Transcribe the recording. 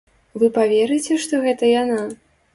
Вы паверыце, што гэта яна?